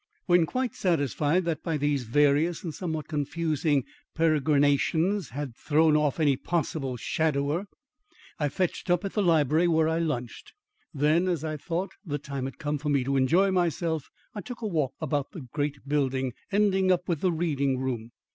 When quite satisfied that by these various and somewhat confusing peregrinations I had thrown off any possible shadower, I fetched up at the Library where I lunched. Then, as I thought the time had come for me to enjoy myself, I took a walk about the great building, ending up with the reading room.